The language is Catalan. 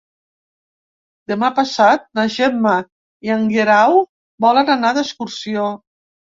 Demà passat na Gemma i en Guerau volen anar d'excursió.